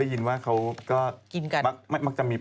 นี้ทีไม่เอารุ่นน้องเออนูคิดเหมือนพี่